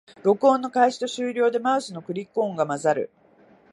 録音の開始と終了でマウスのクリック音が混ざる